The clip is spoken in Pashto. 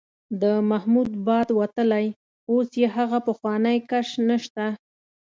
د محمود باد وتلی، اوس یې هغه پخوانی کش نشته.